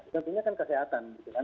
tentunya kan kesehatan